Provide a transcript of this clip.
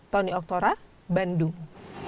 tony oktora bandung